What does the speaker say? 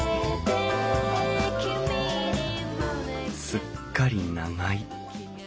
すっかり長居。